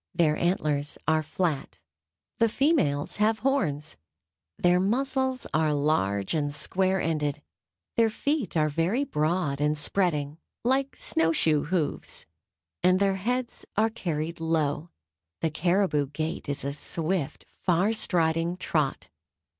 Their antlers are flat, the females have horns, their muzzles are large and square ended, their feet are very broad and spreading, like snow shoe hoofs, and their heads are carried low. The caribou gait is a swift, far striding trot.